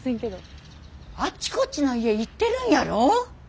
あっちこっちの家行ってるんやろ？